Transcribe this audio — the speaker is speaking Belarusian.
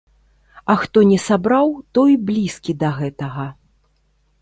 А хто не сабраў, той блізкі да гэтага.